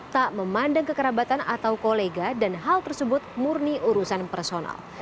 tak memandang kekerabatan atau kolega dan hal tersebut murni urusan personal